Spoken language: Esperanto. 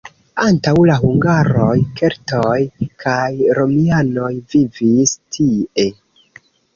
Antaŭ la hungaroj keltoj kaj romianoj vivis tie.